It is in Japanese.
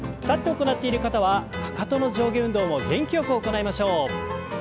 立って行っている方はかかとの上下運動も元気よく行いましょう。